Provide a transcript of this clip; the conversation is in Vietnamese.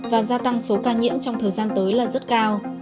và gia tăng số ca nhiễm trong thời gian tới là rất cao